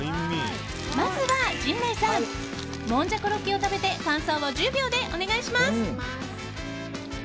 まずは陣内さんもんじゃころっけを食べて感想を１０秒でお願いします。